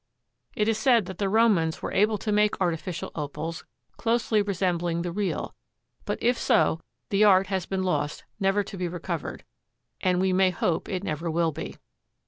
It is said that the Romans were able to make artificial Opals closely resembling the real, but, if so, the art has been lost never to be recovered, and we may hope it never will be.